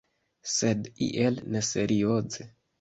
Sed iel neserioze.